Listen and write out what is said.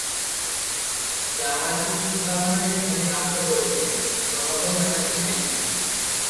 ଜାହାଜ ସୁକାନରେ ଖାଲି ହାତ ପଡ଼ିଥାଏ, ସଳଖ ଜାହାଜ ଧାଇଁଛି ।